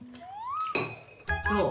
どう？